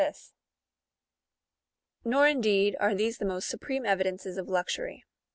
439 Nor, indeed, are these the most supreme evideiices of luxury.